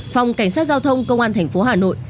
phòng cảnh sát giao thông công an tp hà nội